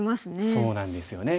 そうなんですよね。